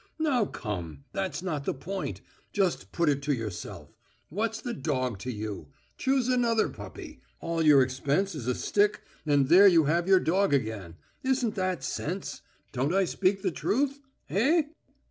"Now, come ... that's not the point.... Just put it to yourself. What's the dog to you? Choose another puppy; all your expense is a stick, and there you have your dog again. Isn't that sense? Don't I speak the truth? Eh?"